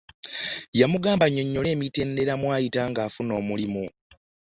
Yamugamba anyonyole emitendera mwayita nga afuna omulimu .